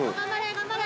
頑張れ！